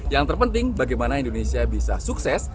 yang terpenting bagaimana indonesia bisa sukses